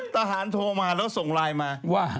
ทหารโทรมาแล้วส่งไลน์มาว่า